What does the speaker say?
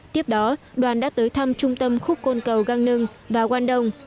tiếp đó đoàn đã tới thăm trung tâm khúc côn cầu gangneung và quang đông